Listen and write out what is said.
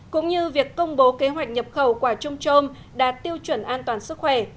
cũng như việc công bố kế hoạch nhập khẩu quả trôm trôm đạt tiêu chuẩn an toàn sức khỏe